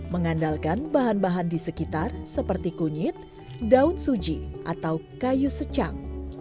mengandalkan bahan bahan di sekitar seperti kunyit daun suji atau kayu secang